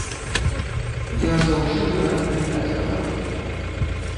Я заўсёды рад прывітаць падарожніка.